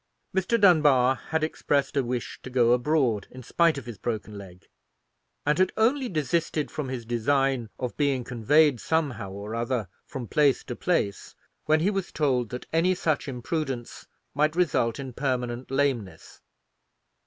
Mr. Dunbar had expressed a wish to go abroad, in spite of his broken leg, and had only desisted from his design of being conveyed somehow or other from place to place, when he was told that any such imprudence might result in permanent lameness.